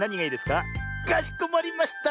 かしこまりました。